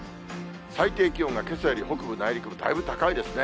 最低気温がけさより北部、内陸部だいぶ高いですね。